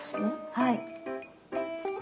はい。